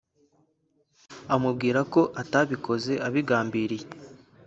amubwira ko atabikoze abigambiriye